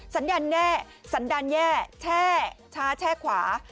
สัญญาณแน่สันดาลแย่แช่ช้าแช่ขวา